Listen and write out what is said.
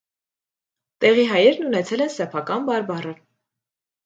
Տեղի հայերն ունեցել են սեփական բարբառը։